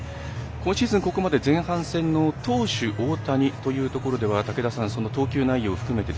今シーズン、ここまで前半戦の投手大谷というところでは、武田さん投球内容含めて。